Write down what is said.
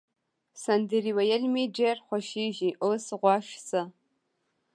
سندرې ویل مي ډېر خوښیږي، اوس غوږ شه.